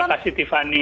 terima kasih tiffany